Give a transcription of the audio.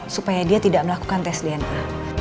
supaya dia tidak melakukan tes dna